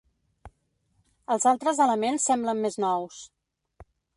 Els altres elements semblen més nous.